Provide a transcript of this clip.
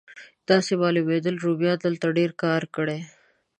داسې معلومېدل رومیانو دلته ډېر کار کړی.